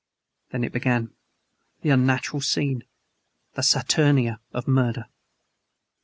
Then it began the unnatural scene the saturnalia of murder.